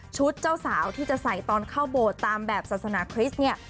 เจ้าสาวที่จะใส่ตอนเข้าโบสถ์ตามแบบศาสนาคริสต์เนี่ย